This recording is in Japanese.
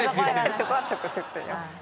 そこは直接言います。